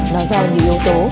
nó giao nhiều yếu tố